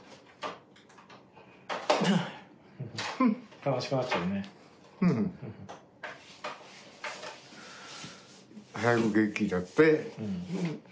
悲しくなっちゃうね。早く元気になって。